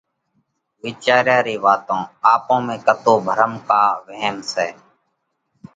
وِيچاريا ري واتون آپون ۾ ڪتو ڀرم ڪا وهم سئہ؟